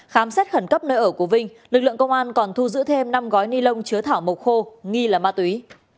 khám xét khẩn cấp nơi ở của vinh lực lượng công an còn thu giữ thêm năm gói ni lông chứa thảo mộc khô nghi là ma túy